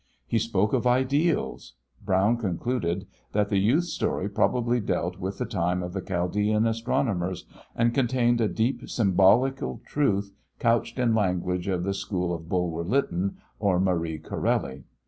He spoke of ideals. Brown concluded that the youth's story probably dealt with the time of the Chaldæan astronomers, and contained a deep symbolical truth, couched in language of the school of Bulwer Lytton or Marie Corelli.